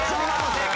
正解。